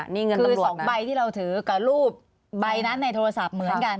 นี่ไงคือ๒ใบที่เราถือกับรูปใบนั้นในโทรศัพท์เหมือนกัน